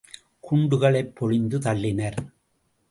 குண்டுகளை பொழிந்து தள்ளினர்.